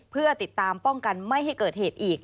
เพื่อติดตามป้องกันไม่ให้เกิดเหตุอีก